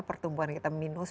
pertumbuhan kita minus